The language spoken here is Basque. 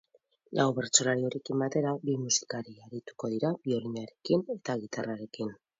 Lau bertsolari horiekin batera, bi musikari arituko dira biolinarekin eta gitarrarekin.